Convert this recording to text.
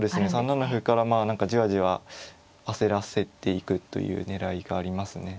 ３七歩から何かじわじわ焦らせていくという狙いがありますね。